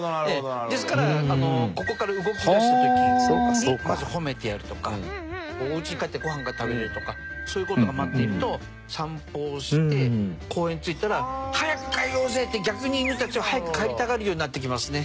ですからここから動きだした時にまず褒めてやるとかお家に帰ってご飯が食べられるとかそういう事が待っていると散歩をして公園に着いたら「早く帰ろうぜ」って逆に犬たちは早く帰りたがるようになってきますね。